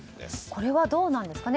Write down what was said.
これはどうなんですか。